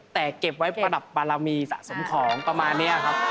แต่เก็บไว้ประดับบารมีสะสมของประมาณนี้ครับ